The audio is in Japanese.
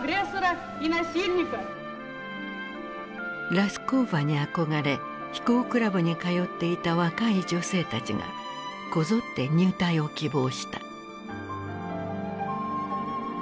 ラスコーヴァに憧れ飛行クラブに通っていた若い女性たちがこぞって入隊を希望した。